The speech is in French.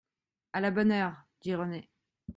À la bonne heure, dit Renée.